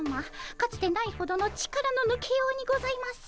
かつてないほどの力の抜けようにございます。